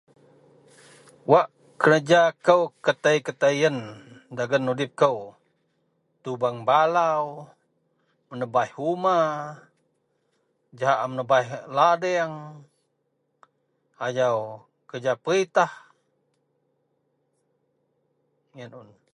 Wak kerja kou ketaee-ketaee yen dagen udip kou, tubeng balau, menebaih uma jahak a menebaih ladeang ajau kerja perintah. Yen un.